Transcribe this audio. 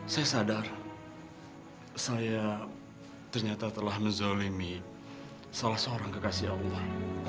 saya sadar saya ternyata telah menzalimi salah seorang kekasih allah